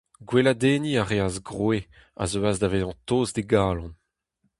Gweladenniñ a reas Groe a zeuas da vezañ tost d'e galon.